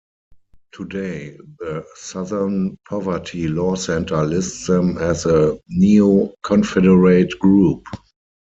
Today, the Southern Poverty Law Center lists them as a Neo-Confederate group.